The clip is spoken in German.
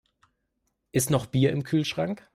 Ist noch Bier im Kühlschrank?